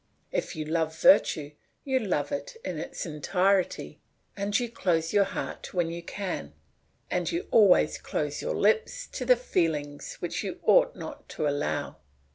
If you love virtue, you love it in its entirety, and you close your heart when you can, and you always close your lips to the feelings which you ought not to allow.